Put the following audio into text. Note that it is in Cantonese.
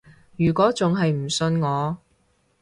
如果仲係唔信我